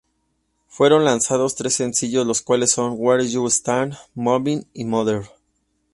Fueron lanzados tres sencillos, los cuales son "Where You Stand", "Moving" y "Mother".